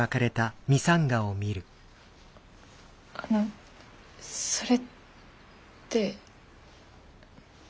あのそれって。